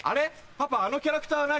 パパあのキャラクター何？